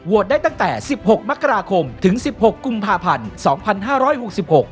โหวดได้ตั้งแต่๑๖มักราคมถึง๑๖กุมภาพันธ์สองพันห้าร้อยหกสิบหก